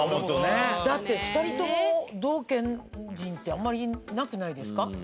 だって２人とも同県人ってあんまりなくないですか？